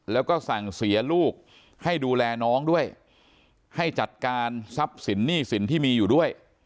แล้วก็สั่งเสียลูกให้ดูแลน้องด้วยให้จัดการทรัพย์สินหนี้สินที่มีอยู่ด้วย